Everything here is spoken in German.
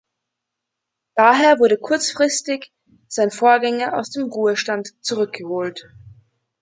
Daher wurde kurzfristig sein Vorgänger aus dem Ruhestand zurückgeholt.